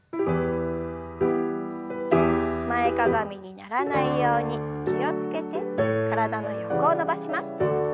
前かがみにならないように気を付けて体の横を伸ばします。